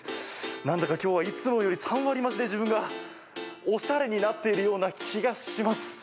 何だか今日はいつもより３割増しで自分がおしゃれになっているような気がします。